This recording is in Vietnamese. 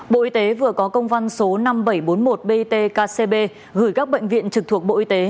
bộ y tế vừa có công văn số năm nghìn bảy trăm bốn mươi một btkb gửi các bệnh viện trực thuộc bộ y tế